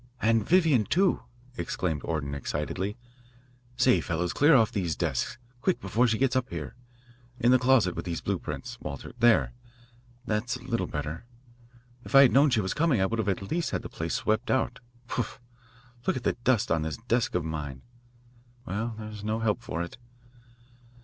"And Vivian, too," exclaimed Orton excitedly. "Say, fellows, clear off these desks. Quick, before she gets up here. In the closet with these blueprints, Walter. There, that's a little better. If I had known she was coming I would at least have had the place swept out. Puff! look at the dust on this desk of mine. Well, there's no help for it.